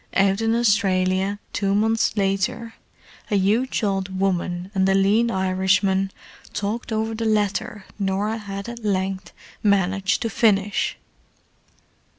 Out in Australia, two months later, a huge old woman and a lean Irishman talked over the letter Norah had at length managed to finish.